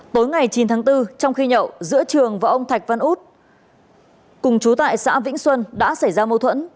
tối ngày chín tháng bốn trong khi nhậu giữa trường và ông thạch văn út cùng chú tại xã vĩnh xuân đã xảy ra mâu thuẫn